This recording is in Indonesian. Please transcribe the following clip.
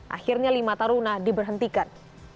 akhirnya lima taruna diberhentikan